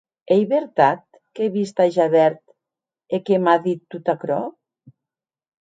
Ei vertat qu’è vist a Javert e que m’a dit tot aquerò?